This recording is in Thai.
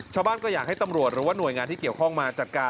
ชาวบ้านก็อยากให้ตำรวจหรือว่าหน่วยงานที่เกี่ยวข้องมาจัดการ